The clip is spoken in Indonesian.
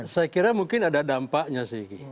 saya kira mungkin ada dampaknya sih